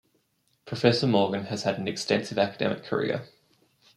Professor Morgan has had an extensive academic career.